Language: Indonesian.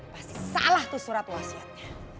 pasti salah tuh surat wasiat